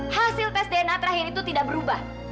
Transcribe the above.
hasil tes dna terakhir itu tidak berubah